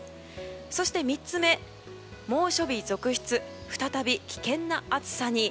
そして３つ目、猛暑日続出再び危険な暑さに。